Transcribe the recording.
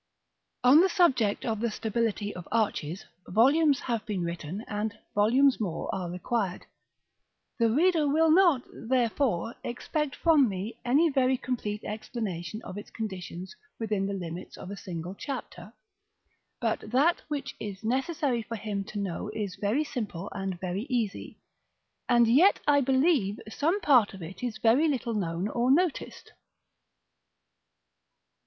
§ I. On the subject of the stability of arches, volumes have been written and volumes more are required. The reader will not, therefore, expect from me any very complete explanation of its conditions within the limits of a single chapter. But that which is necessary for him to know is very simple and very easy; and yet, I believe, some part of it is very little known, or noticed.